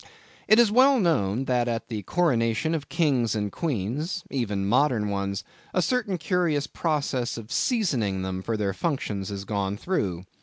It is well known that at the coronation of kings and queens, even modern ones, a certain curious process of seasoning them for their functions is gone through.